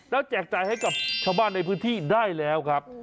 แล้วแจกจ่ายให้กับชาวบ้านในพื้นที่ได้แล้วครับ